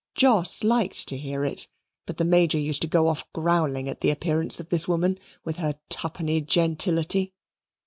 Jos liked to hear it, but the Major used to go off growling at the appearance of this woman, with her twopenny gentility.